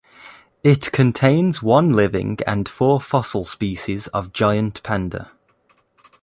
It contains one living and four fossil species of giant panda.